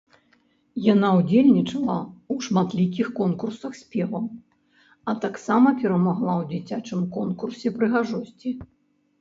Яна ўдзельнічала ў шматлікіх конкурсах спеваў, а таксама перамагла ў дзіцячым конкурсе прыгажосці.